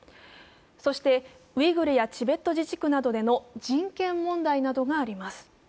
そして、ウイグルやチベット自治区などでの人権問題があります。